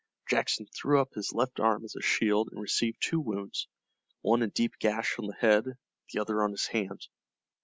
Jackson threw up his left arm as a shield and received two wounds, one a deep gash on the head, the other on his hand.